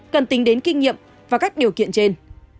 cần tính đến kinh nghiệm và các điều kiện trên